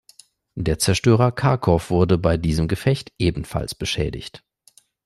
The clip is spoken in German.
Der Zerstörer "Kharkov" wurde bei diesem Gefecht ebenfalls beschädigt.